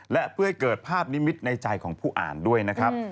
และเพื่อให้เกิดภาพนิมิตรในใจของผู้อ่านด้วยนะครับ